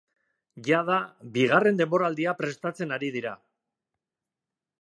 Jada, bigarren denboraldia prestatzen ari dira.